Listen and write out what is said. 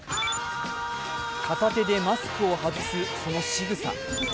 片手でマスクを外す、そのしぐさ。